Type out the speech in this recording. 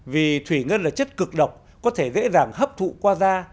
vì thủy ngân là chất cực độc có thể dễ dàng hấp thụ qua da